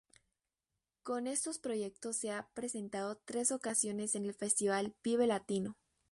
Con estos proyectos se ha presentado tres ocasiones en el Festival Vive Latino.